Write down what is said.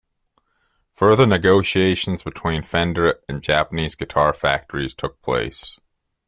Further negotiations between Fender and Japanese guitar factories took place.